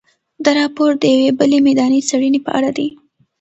دا راپور د یوې بلې میداني څېړنې په اړه دی.